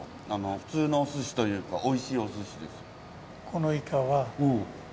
普通のお寿司というかおいしいお寿司です。